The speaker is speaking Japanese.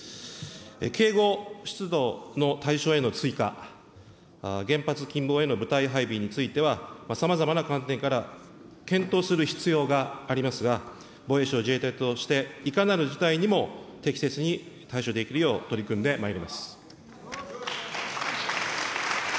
警護出動の対象への追加、原発近傍への部隊配備については、さまざまな観点から検討する必要がありますが、防衛省・自衛隊としていかなる事態にも適切に対処できるよう、取り組んでまいります。